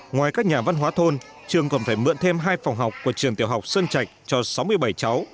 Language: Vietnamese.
ngoài các nhà văn hóa thôn trường còn phải mượn thêm hai phòng học của trường tiểu học sơn trạch cho sáu mươi bảy cháu